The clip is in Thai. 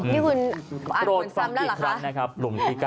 นี่คุณอ่านผลซ้ำแล้วเหรอคะนะครับหลุมที่๙นะครับ